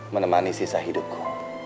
menemani sisa hidupku